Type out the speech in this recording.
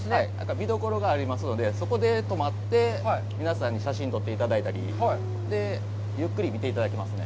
見どころがありますので、そこでとまって、皆さんに写真を撮っていただいたり、ゆっくり見ていただきますね。